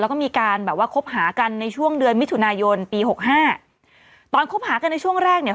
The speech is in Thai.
แล้วก็มีการแบบว่าคบหากันในช่วงเดือนมิถุนายนปีหกห้าตอนคบหากันในช่วงแรกเนี่ย